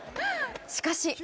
しかし。